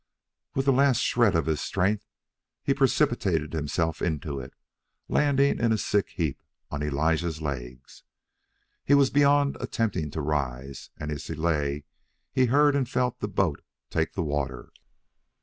With the last shred of his strength he precipitated himself into it, landing in a sick heap on Elijah's legs. He was beyond attempting to rise, and as he lay he heard and felt the boat take the water.